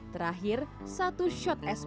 terakhir satu shot espresso dituangkan ke dalam